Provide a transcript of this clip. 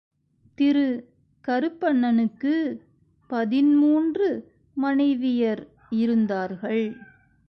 திரு கருப்பண்ணனுக்குப் பதின்மூன்று மனைவியர் இருந்தார்கள்.